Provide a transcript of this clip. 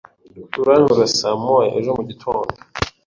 Urantora saa moya ejo mugitondo?